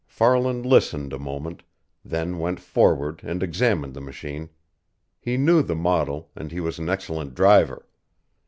Farland listened a moment, then went forward and examined the machine. He knew the model, and he was an excellent driver.